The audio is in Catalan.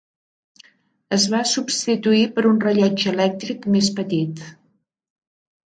Es va substituir per un rellotge elèctric més petit.